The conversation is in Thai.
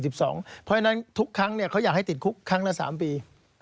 เพราะฉะนั้นทุกครั้งเขาอยากให้ติดคุกครั้งละ๓ปี